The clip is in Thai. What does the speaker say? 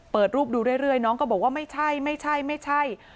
เปิดรูปดูเรื่อยน้องก็บอกว่าไม่ใช่ไม่ใช่